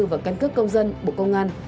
và căn cấp công dân bộ công an